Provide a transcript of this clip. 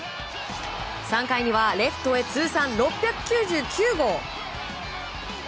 ３回にはレフトへ通算６９９号。